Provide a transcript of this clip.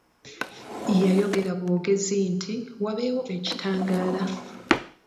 Yayogera bwogezi nti: Wabeewo ekitangala.